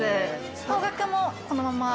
方角もこのまま。